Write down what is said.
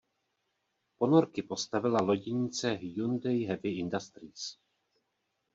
Ponorky postavila loděnice Hyundai Heavy Industries.